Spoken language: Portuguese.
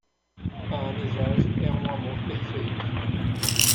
A amizade é um amor perfeito.